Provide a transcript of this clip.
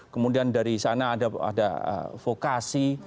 kemudian dari sana ada vokasi